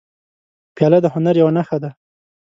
پیاله د هنر یوه نښه ده.